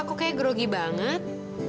kok kayak grogi banget